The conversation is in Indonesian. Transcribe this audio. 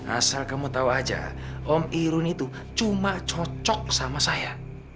asal kamu tahu aja om irun itu cuma cocok sama saya